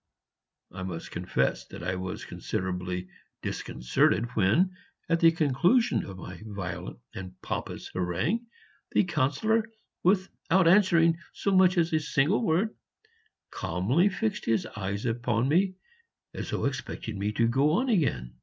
I must confess that I was considerably disconcerted when, at the conclusion of my violent and pompous harangue, the Councillor, without answering so much as a single word, calmly fixed his eyes upon me as though expecting me to go on again.